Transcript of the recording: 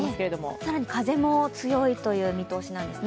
更に風も強いという見通しなんですね。